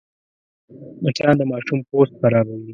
مچان د ماشوم پوست خرابوي